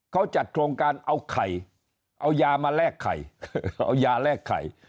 เขาจัดโครงการเอาไข่เอายามาแลกไข่เอายาแลกไข่